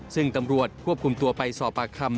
ซึ่งตำรวจควบคุมตัวไปสอบปากคำ